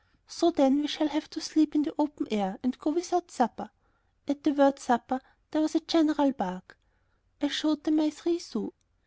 "So then we shall have to sleep in the open air and go without supper." At the word "supper" there was a general bark. I showed them my three sous.